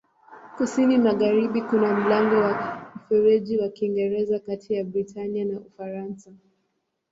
Kusini-magharibi kuna mlango wa Mfereji wa Kiingereza kati ya Britania na Ufaransa.